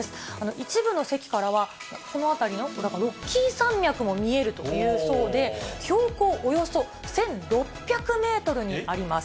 一部の席からは、この辺りの、だからロッキー山脈も見えるというそうで、標高およそ１６００メートルにあります。